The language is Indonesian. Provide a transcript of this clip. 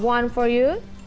ini satu untuk kamu